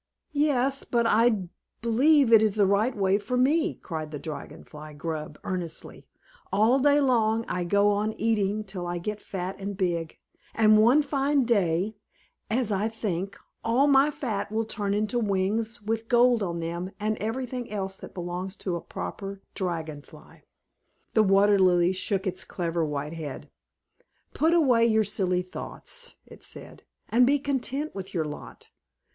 "Yes; but I believe it is the right way for me!" cried the Dragon Fly Grub earnestly. "All day long I go on eating till I get fat and big; and one fine day, as I think, all my fat will turn into wings with gold on them, and everything else that belongs to a proper Dragon Fly!" The Water Lily shook its clever white head, "Put away your silly thoughts," it said, "and be content with your lot.